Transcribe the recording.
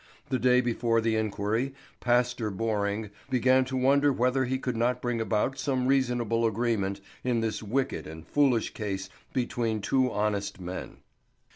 The day before the inquiry Pastor Borring began to wonder whether he could not bring about some reasonable agreement in this wicked and foolish case between two honest men.